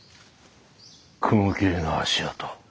雲霧の足跡。